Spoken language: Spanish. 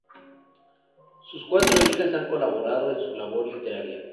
Sus cuatro hijas han colaborado en su labor literaria.